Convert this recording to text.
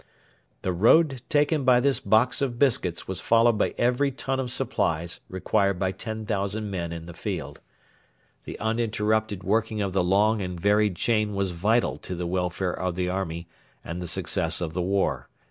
The road taken by this box of biscuits was followed by every ton of supplies required by 10,000 men in the field. The uninterrupted working of the long and varied chain was vital to the welfare of the army and the success of the war.